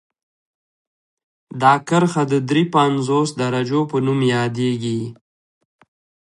دا کرښه د دري پنځوس درجو په نوم یادیږي